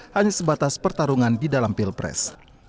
hanya sebatas pertarungan di dalam pilpres